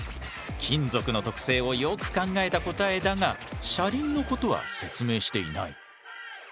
金属の特性をよく考えた答えだが車輪のことは説明していない。